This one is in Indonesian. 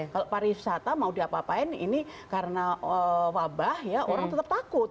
kalau pariwisata mau diapa apain ini karena wabah ya orang tetap takut